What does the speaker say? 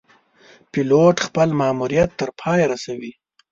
پیلوټ خپل ماموریت تر پایه رسوي.